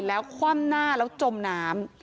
แล้วคว่ำหน้าแล้วจมน้ำ